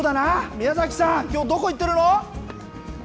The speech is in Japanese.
宮崎さん、きょう、どこ行ってるの？